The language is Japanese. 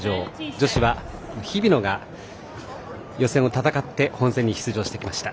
女子は日比野が予選を戦って本戦に出場してきました。